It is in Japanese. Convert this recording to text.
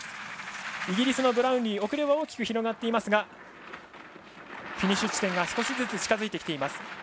イギリスのブラウンリー遅れは大きく広がっていますがフィニッシュ地点が近づいている。